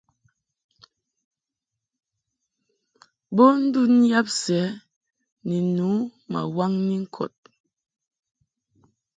Bo ndun yab sɛ ni nu ma waŋni ŋkɔd.